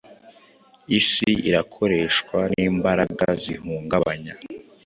Isi irakoreshwa n’imbaraga zihungabanya